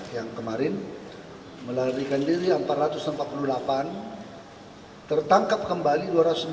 yang kemarin melarikan diri empat ratus empat puluh delapan tertangkap kembali dua ratus sembilan puluh